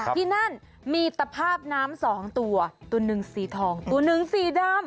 ที่นั่นมีตภาพน้ำสองตัวตัวหนึ่งสีทองตัวหนึ่งสีดำ